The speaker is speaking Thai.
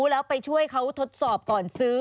แล้วไปช่วยเขาทดสอบก่อนซื้อ